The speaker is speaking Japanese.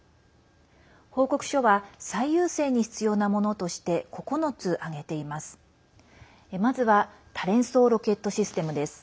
報告書は最優先に必要なものとして９つ挙げています。